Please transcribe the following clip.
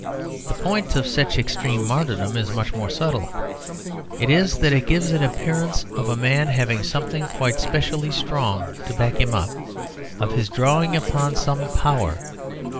The point of such extreme martyrdom is much more subtle. It is that it gives an appearance of a man having something quite specially strong to back him up, of his drawing upon some power.